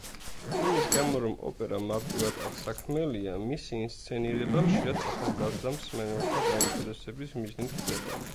იმის გამო, რომ ოპერა მარტივად აღსაქმელია, მისი ინსცენირება ხშირად ახალგაზრდა მსმენელთა დაინტერესების მიზნით ხდება.